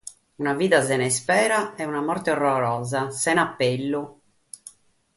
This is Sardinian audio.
Una vida sena ispera e una morte orrorosa, sena apellu.